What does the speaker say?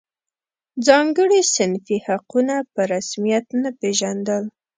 ځانګړي صنفي حقونه په رسمیت نه پېژندل.